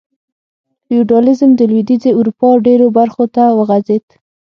فیوډالېزم د لوېدیځې اروپا ډېرو برخو ته وغځېد.